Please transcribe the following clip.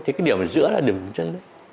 thì cái điểm giữa là điểm dừng chân